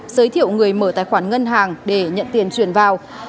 giới thiệu người mở tài khoản ngân hàng để nhận tiền chuyển vào